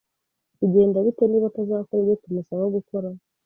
Bigenda bite niba atazakora ibyo tumusaba gukora?